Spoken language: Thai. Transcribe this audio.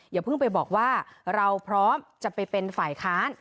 อย่าเพิ่งไปบอกว่าเราพร้อมจะไปเป็นฝ่ายค้าน